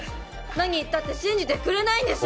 何言ったって信じてくれないんでしょ。